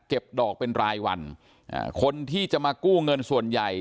ดอกเป็นรายวันอ่าคนที่จะมากู้เงินส่วนใหญ่